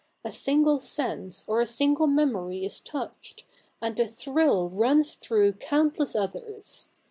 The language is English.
A single sense or a single memory is touched, and a thrill runs through countless others.